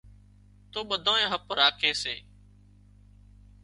تو ٻڌانئي هپ راکي سي